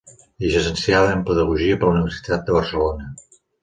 Llicenciada en Pedagogia per la Universitat de Barcelona.